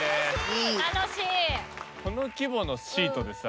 この規模のシートでさ